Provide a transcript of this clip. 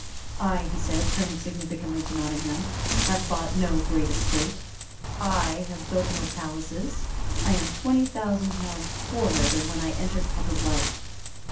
"I," he said, turning significantly to Nottingham, "have bought no great estate; I have built no palace; I am twenty thousand pounds poorer than when I entered public life.